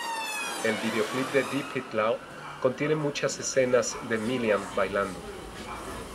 El video clip de Dip It Low contiene muchas escenas de Milian bailando.